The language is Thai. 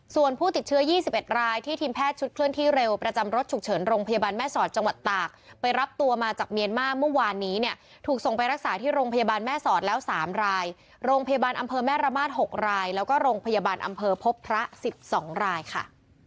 ส่วนผู้ติดเชื้อ๒๑รายที่ทีมแพทย์ชุดเคลื่อนที่เร็วประจำรถฉุกเฉินโรงพยาบาลแม่สอดจังหวัดตากไปรับตัวมาจากเมียนมาเมื่อวานนี้เนี่ยถูกส่งไปรักษาที่โรงพยาบาลแม่สอดแล้ว๓รายโรงพยาบาลอำเภอแม่ระมาท๖รายแล้วก็โรงพยาบาลอำเภอพบพระ๑๒รายค่ะ